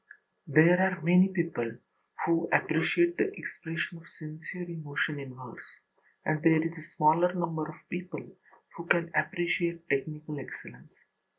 There are many people who appreciate the expression of sincere emotion in verse, and there is a smaller number of people who can appreciate technical excellence.